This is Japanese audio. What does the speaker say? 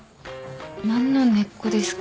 何の根っこですか？